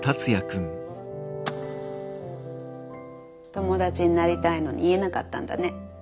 友達になりたいのに言えなかったんだね。